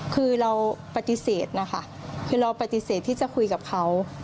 คือเราปฏิเสธนะคะคือเราปฏิเสธที่จะคุยกับเขา